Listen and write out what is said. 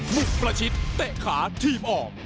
บุกประชิดเตะขาทีมออก